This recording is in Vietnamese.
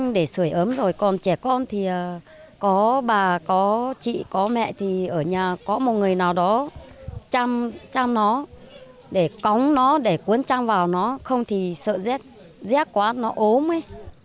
để cống nó để cuốn trang vào nó không thì sợ rét rét quá nó ốm ấy